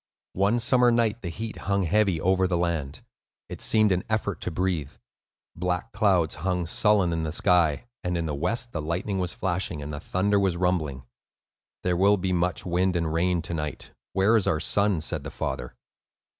One summer night the heat hung heavy over the land. It seemed an effort to breathe. Black clouds hung sullen in the sky, and in the west the lightning was flashing and the thunder was rumbling. "There will be much wind and rain to night. Where is our son?" said the father.